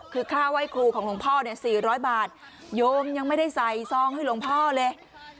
คือค่าไหว้ครูของหลวงพ่อเนี่ย๔๐๐บาทโยมยังไม่ได้ใส่ซองให้หลวงพ่อเลย